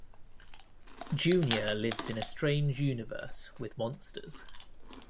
Junior lives in a strange universe with monsters.